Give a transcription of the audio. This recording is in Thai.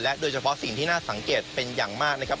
โดยเฉพาะสิ่งที่น่าสังเกตเป็นอย่างมากนะครับ